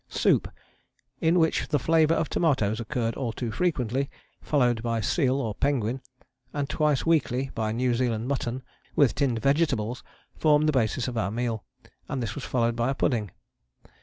Soup, in which the flavour of tomatoes occurred all too frequently, followed by seal or penguin, and twice a week by New Zealand mutton, with tinned vegetables, formed the basis of our meal, and this was followed by a pudding.